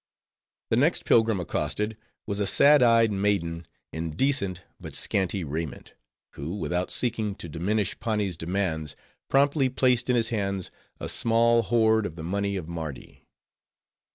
The next pilgrim accosted, was a sad eyed maiden, in decent but scanty raiment; who without seeking to diminish Pani's demands promptly placed in his hands a small hoard of the money of Mardi.